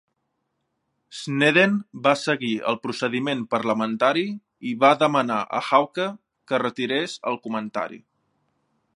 Snedden va seguir el procediment parlamentari i va demanar a Hawke que retirés el comentari.